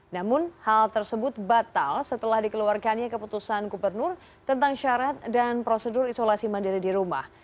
namun hal tersebut batal setelah dikeluarkannya keputusan gubernur tentang syarat dan prosedur isolasi mandiri di rumah